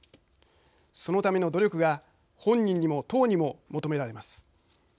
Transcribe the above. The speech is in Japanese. そのための努力が本人にも党にも求められます。